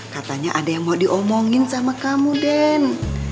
katanya ada yang mau diomongin sama kamu den